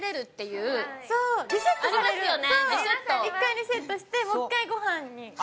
１回リセットしてもう一回ご飯に。